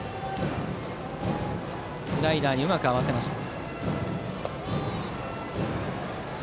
スライダーにうまく合わせました。